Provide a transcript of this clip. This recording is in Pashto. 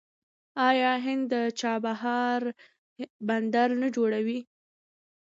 آیا هند د چابهار بندر نه جوړوي؟